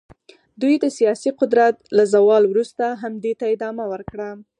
دوی د سیاسي قدرت له زوال وروسته هم دې ته ادامه ورکړه.